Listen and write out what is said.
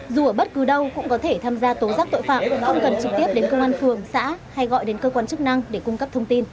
dù ở bất cứ đâu cũng có thể tham gia tố giác tội phạm không cần trực tiếp đến công an phường xã hay gọi đến cơ quan chức năng để cung cấp thông tin